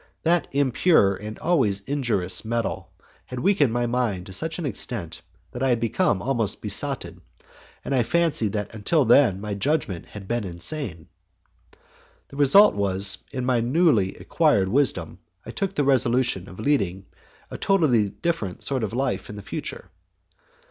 That impure and always injurious metal had weakened my mind to such an extent that I had become almost besotted, and I fancied that until then my judgment had been insane. The result was that, in my newly acquired wisdom, I took the resolution of leading a totally different sort of life in future.